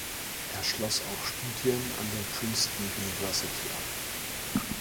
Er schloss auch Studien an der Princeton University ab.